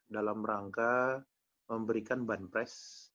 dalam rangka memberikan banpres